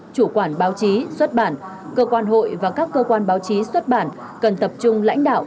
chủ quản báo chí xuất bản cơ quan hội và các cơ quan báo chí xuất bản cần tập trung lãnh đạo